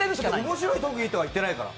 面白い特技とは言ってないから。